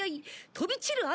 飛び散る汗！